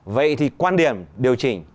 vậy thì quan điểm điều chỉnh